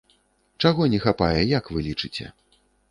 Чаго не хапае, як вы лічыце?